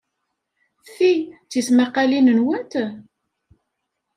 Ti d tismaqqalin-nwent?